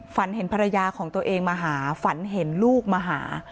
ฝันเห็นภรรยาของตัวเองมาหาฝันเห็นลูกมาหา